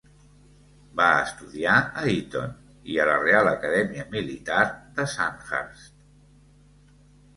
Va estudiar a Eton i a la Real Acadèmia Militar de Sandhurst.